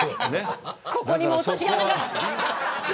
ここにも落とし穴が。